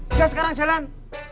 udah sekarang jalan